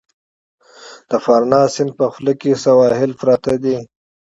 د پارانا سیند په خوله کې سواحل پراته دي.